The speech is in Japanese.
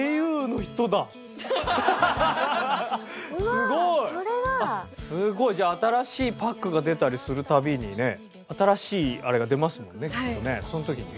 すごい！じゃあ新しいパックが出たりする度にね新しいあれが出ますもんねきっとねその時に。